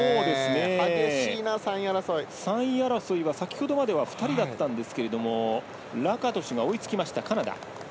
３位争いは、先ほどまでは２人だったんですけれどもラカトシュが追いつきましたカナダ。